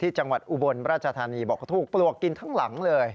จังหวัดอุบลราชธานีบอกถูกปลวกกินทั้งหลังเลย